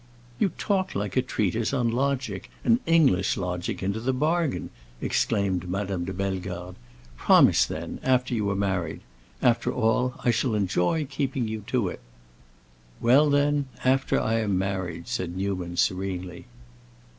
"You talk like a treatise on logic, and English logic into the bargain!" exclaimed Madame de Bellegarde. "Promise, then, after you are married. After all, I shall enjoy keeping you to it." "Well, then, after I am married," said Newman serenely.